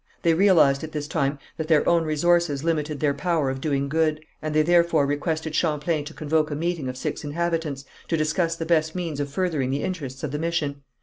They realized at this time that their own resources limited their power of doing good, and they therefore requested Champlain to convoke a meeting of six inhabitants, to discuss the best means of furthering the interests of the mission.